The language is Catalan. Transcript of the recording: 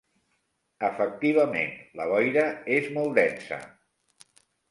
Efectivament, la boira és molt densa!